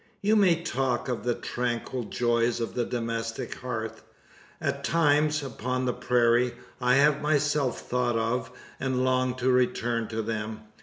You may talk of the tranquil joys of the domestic hearth. At times, upon the prairie, I have myself thought of, and longed to return to them.